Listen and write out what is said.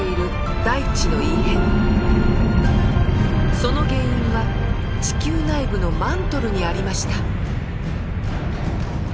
その原因は地球内部のマントルにありました。